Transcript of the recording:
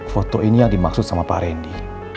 foto ini yang dimaksud sama pak randy